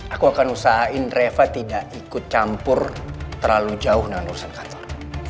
aku akan usahain reva tidak ikut campur terlalu jauh dengan urusan kantor